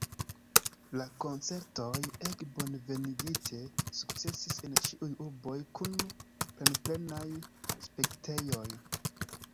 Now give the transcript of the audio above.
La koncertoj, ege bonvenigite, sukcesis en ĉiuj urboj kun plenplenaj spektejoj.